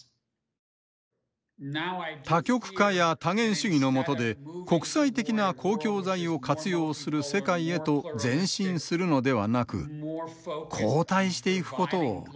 多極化や多元主義のもとで国際的な公共財を活用する世界へと前進するのではなく後退していくことを懸念しています。